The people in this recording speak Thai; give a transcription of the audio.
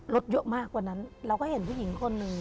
รถเยอะมากกว่านั้นเราก็เห็นผู้หญิงคนหนึ่ง